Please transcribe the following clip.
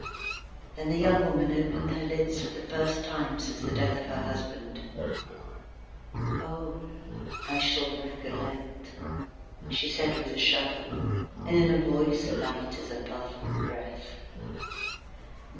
Then the young woman opened her lips for the first time since the death of her husband. "Oh! I shall recollect," said she with a shudder, and in a voice light as a puff of breath.